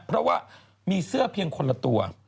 เพราะว่ามีเสื้อเพียงคนละตัว